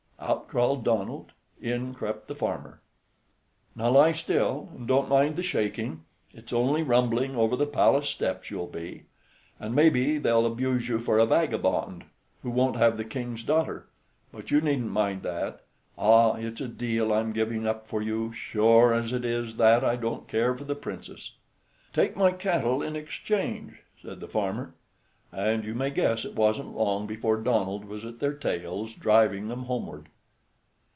Out crawled Donald; in crept the farmer. "Now lie still, and don't mind the shaking; it's only rumbling over the palace steps you'll be. And maybe they'll abuse you for a vagabond, who won't have the King's daughter; but you needn't mind that. Ah, it's a deal I'm giving up for you, sure as it is that I don't care for the Princess." "Take my cattle in exchange," said the farmer; and you may guess it wasn't long before Donald was at their tails, driving them homeward.